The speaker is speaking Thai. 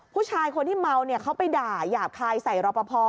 ผู้ชายคนที่เมาเนี่ยเขาไปด่าหยาบคายใส่รอปภ